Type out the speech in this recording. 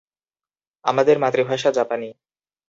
আমার মাতৃভাষা জাপানী।